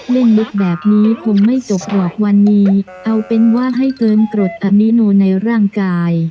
เล่นลึกแบบนี้คงไม่จบหรอกวันนี้เอาเป็นว่าให้เกินกรดอมิโนในร่างกาย